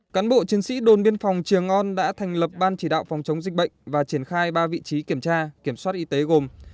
cán bộ chiến sĩ đồn biên phòng trường on đã thành lập ban chỉ đạo phòng chống dịch bệnh và triển khai ba vị trí kiểm tra kiểm soát y tế gồm